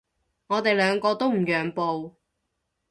我哋兩個都唔讓步